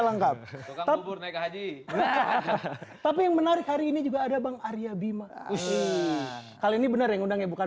lengkap tetap tapi menarik hari ini juga ada bang arya bima isi kali ini bener yang undangnya bukan